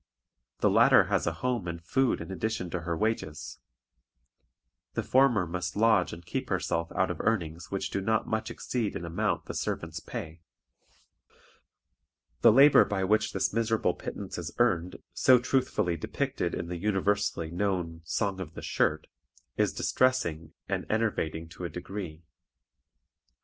The latter has a home and food in addition to her wages; the former must lodge and keep herself out of earnings which do not much exceed in amount the servant's pay. The labor by which this miserable pittance is earned, so truthfully depicted in the universally known "Song of the Shirt," is distressing and enervating to a degree.